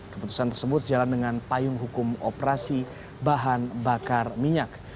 keputusan tersebut sejalan dengan payung hukum operasi bahan bakar minyak